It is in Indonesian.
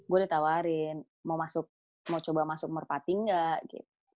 gue ditawarin mau coba masuk merpati enggak